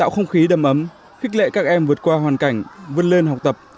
tạo không khí đầm ấm khích lệ các em vượt qua hoàn cảnh vươn lên học tập